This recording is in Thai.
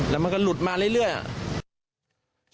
แล้วมันก็หลุดมาเรื่อยอ่ะ